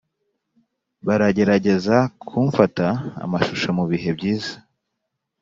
Baragerageza kumfata amashusho mu bihe byiza